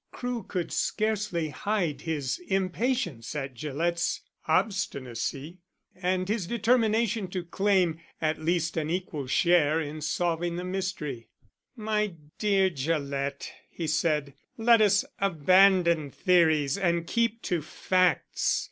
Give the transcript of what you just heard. Crewe could scarcely hide his impatience at Gillett's obstinacy, and his determination to claim at least an equal share in solving the mystery. "My dear Gillett," he said, "let us abandon theories and keep to facts.